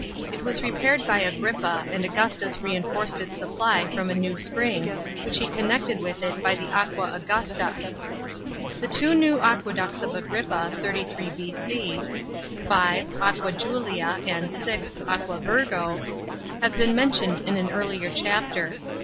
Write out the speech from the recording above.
It was repaired by Agrippa, and Augustus reinforced its supply from a new spring, which he connected with it by the Aqua Auyusta. f The two new aqueducts of Agrippa (33 B.C.), (5) Aqua Julia, and (6) Aqua Viryo, have been mentioned in an earlier chapter.